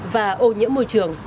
và ô nhiễm môi trường